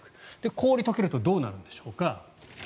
氷が解けるとどうなるんでしょうか。